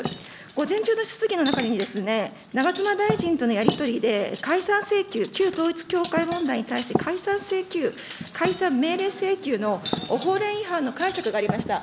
午前中の質疑の中に、長妻大臣とのやり取りで、解散請求、旧統一教会問題に対して解散請求、解散命令請求の法令違反の解釈がありました。